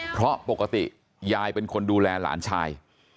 เพราะปกติยายเป็นคนดูแลหลานชาย